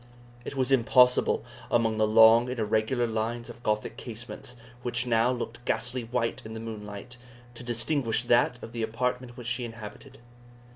It was impossible, among the long and irregular lines of Gothic casements, which now looked ghastly white in the moonlight, to distinguish that of the apartment which she inhabited.